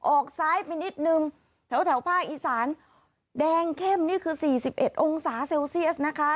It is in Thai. ออกซ้ายไปนิดนึงแถวภาคอีสานแดงเข้มนี่คือ๔๑องศาเซลเซียสนะคะ